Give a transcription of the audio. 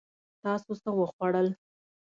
تاسو څه وخوړل؟